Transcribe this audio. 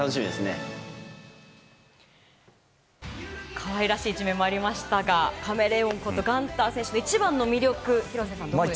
かわいらしい一面もありましたがカメレオンことガンター選手の一番の魅力廣瀬さん、どこでしょう？